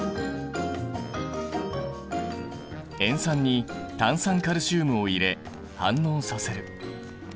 塩酸に炭酸カルシウムを入れ反応させる。